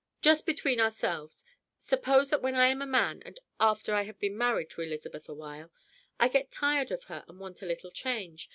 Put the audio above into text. "Just between ourselves suppose that when I am a man and after I have been married to Elizabeth awhile, I get tired of her and want a little change.